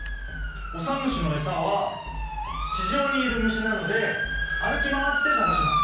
オサムシのエサは地上にいる虫なので歩き回って探します。